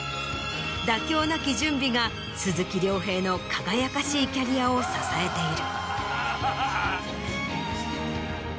妥協なき準備が鈴木亮平の輝かしいキャリアを支えている。